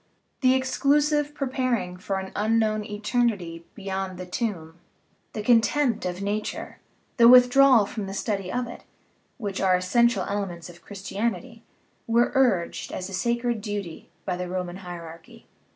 The exclusive preparing for an unknown eternity beyond the tomb, the contempt of nature, the withdrawal from the study of it, which are essential elements of Christianity, were urged as a sacred duty by the Roman hierarchy.